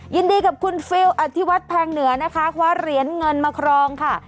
ยินดีกับคุณฟิลอธิวัฒน์แพงเหนือนะคะคว้าเหรียญเงินมาครองค่ะ